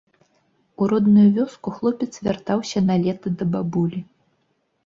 У родную вёску хлопец вяртаўся на лета да бабулі.